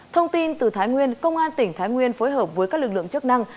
thông tin từ thái nguyên công an tỉnh thái nguyên phối hợp với các lực lượng chức năng